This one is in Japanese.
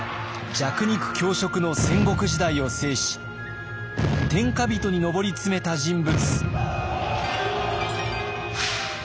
弱肉強食の戦国時代を制し天下人に上り詰めた人物。